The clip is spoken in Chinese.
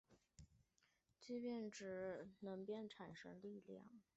聚变能指利用核聚变产生能量。